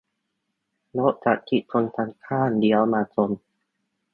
- รถจากทิศตรงข้ามเลี้ยวมาชน